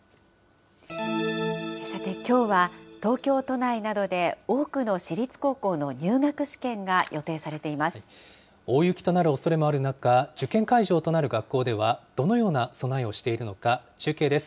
さて、きょうは東京都内などで多くの私立高校の入学試験が予定されてい大雪となるおそれもある中、受験会場となる学校ではどのような備えをしているのか、中継です。